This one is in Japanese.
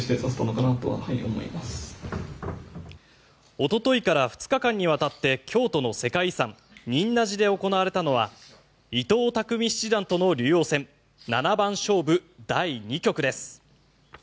おとといから２日間にわたって京都の世界遺産・仁和寺で行われたのは伊藤匠七段との竜王戦七番勝負第２局です。